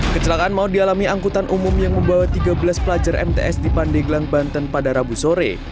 kecelakaan mau dialami angkutan umum yang membawa tiga belas pelajar mts di pandeglang banten pada rabu sore